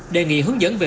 đề nghị hướng dẫn về